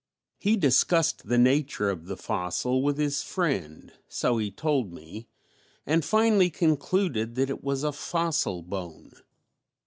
He discussed the nature of the fossil with his friend (so he told me) and finally concluded that it was a fossil bone.